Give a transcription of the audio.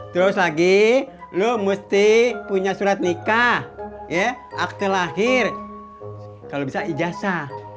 terus lagi lo mesti punya surat nikah ya akte lahir kalau bisa ijazah